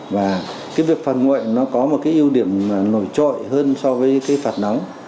và cái việc phạt nguội nó có một cái ưu điểm nổi trội hơn so với cái phạt nóng